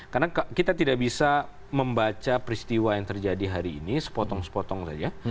karena kita tidak bisa membaca peristiwa yang terjadi hari ini sepotong sepotong saja